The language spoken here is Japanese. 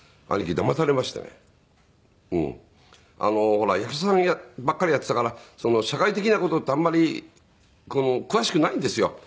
ほら役者さんばっかりやっていたから社会的な事ってあまり詳しくないんですよ。